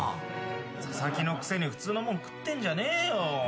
佐々木のくせに普通のもん食ってんじゃねえよ。